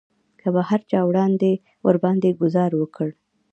که به هر چا ورباندې ګوزار وکړ.